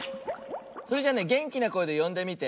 それじゃあねげんきなこえでよんでみて。